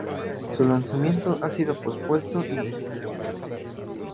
Su lanzamiento ha sido pospuesto indefinidamente.